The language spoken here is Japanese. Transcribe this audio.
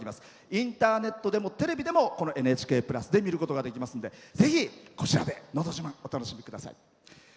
インターネットでもテレビでも「ＮＨＫプラス」で見ることができますんでぜひ「ＮＨＫのど自慢」お楽しみください。